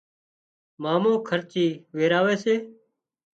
مامو خرچي ويراوي سي